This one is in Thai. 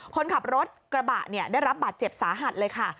คนขับรถกระบะได้รับบาดเจ็บสาหัสเลยค่ะ